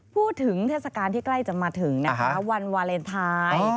เทศกาลที่ใกล้จะมาถึงนะคะวันวาเลนไทย